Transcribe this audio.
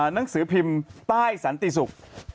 หนังสือพิมพ์ใต้สันติศุกร์